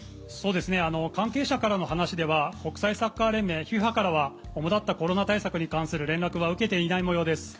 関係者からの話では国際サッカー連盟・ＦＩＦＡからは主だったコロナ対策に関する連絡は受けていない模様です。